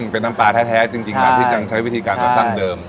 เป็นน้ำปลาแท้จริงแล้วที่ยังใช้วิธีการจัดตั้งเดิม